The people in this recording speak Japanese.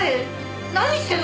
何してるの？